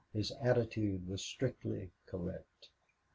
His attitude was strictly correct.